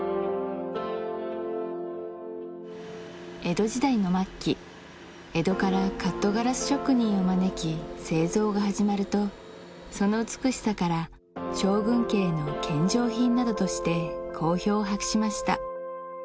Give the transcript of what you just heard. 江戸時代の末期江戸からカットガラス職人を招き製造が始まるとその美しさから将軍家への献上品などとして好評を博しました